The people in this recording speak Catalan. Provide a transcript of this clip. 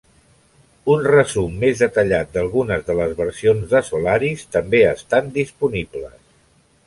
Un resum més detallat d'algunes de les versions de Solaris també estan disponibles.